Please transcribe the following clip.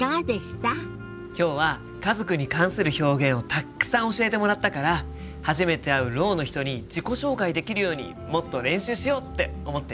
今日は家族に関する表現をたっくさん教えてもらったから初めて会うろうの人に自己紹介できるようにもっと練習しようって思ってるよ。